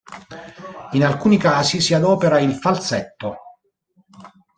In alcuni casi si adopera il falsetto.